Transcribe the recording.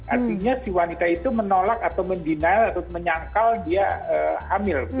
artinya si wanita itu menolak atau mendenial atau menyangkal dia hamil